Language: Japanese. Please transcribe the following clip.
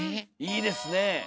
いいですねえ！